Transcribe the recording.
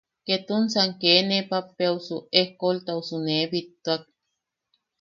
Ketunsan kee ne pappeʼeaosu eskoltausu nee bittuak.